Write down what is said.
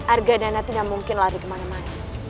argadana tidak mungkin lari kemana mana